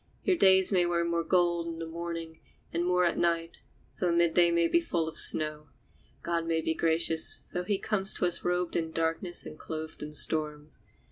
Your days may wear more gold in the morning, and more at night, though the midday be full of snow. God may be gracious, though he comes to us robed in darkness and clothed in storms.